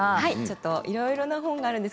いろいろ本があります。